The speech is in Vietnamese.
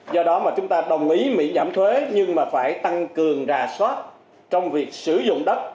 do đó mà chúng ta đồng ý miễn giảm thuế nhưng mà phải tăng cường rà soát trong việc sử dụng đất